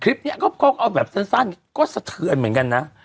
คลิปนี้ก็เอาแบบสั้นก็สะเทือนเหมือนกันนะ